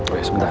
oh ya sebentar